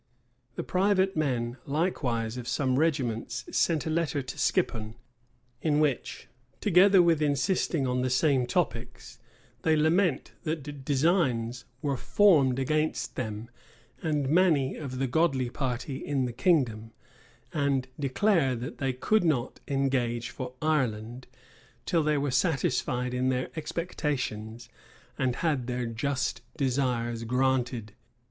[] The private men, likewise, of some regiments sent a letter to Skippon, in which, together with insisting on the same topics, they lament that designs were formed against them and many of the godly party in the kingdom; and declare that they could not engage for Ireland, till they were satisfied in their expectations, and had their just desires granted.